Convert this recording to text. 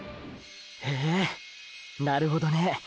へえなるほどね。